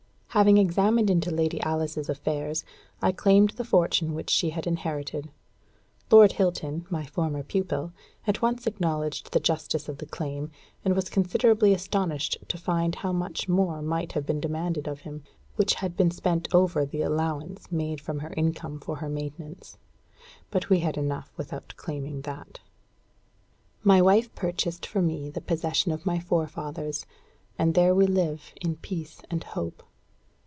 Having examined into Lady Alice's affairs, I claimed the fortune which she had inherited. Lord Hilton, my former pupil, at once acknowledged the justice of the claim, and was considerably astonished to find how much more might have been demanded of him, which had been spent over the allowance made from her income for her maintenance. But we had enough without claiming that. My wife purchased for me the possession of my forefathers, and there we live in peace and hope.